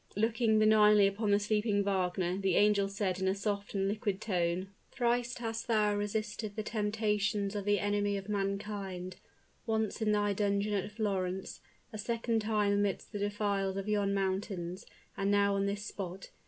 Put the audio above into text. Looking benignly upon the sleeping Wagner the angel said in a soft and liquid tone, "Thrice hast thou resisted the temptations of the enemy of mankind: once in thy dungeon at Florence, a second time amidst the defiles of yon mountains, and now on this spot.